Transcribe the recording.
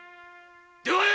出会え！